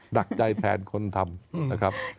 หนักใจแทนคนทำนะครับ